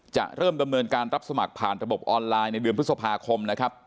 จะเริ่มดำเนินการรับสมัครผ่านระบบออนไลน์ในเดือนพฤษภาคมนะครับ